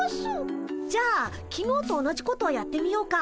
じゃあきのうと同じことをやってみようか。